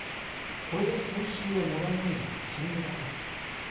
これで報酬がもらえないなんて信じられない。